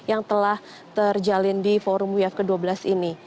untuk menjaga keuangan syariah di uf ke dua belas ini